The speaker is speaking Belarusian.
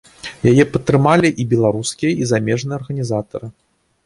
Яе падтрымалі і беларускія, і замежныя арганізатары.